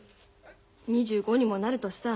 ２５にもなるとさ